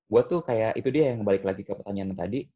gue tuh kayak itu dia yang balik lagi ke pertanyaan tadi